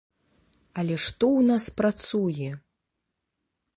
Але што ў нас працуе?